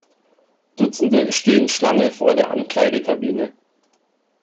Dutzende stehen Schlange vor der Ankleidekabine.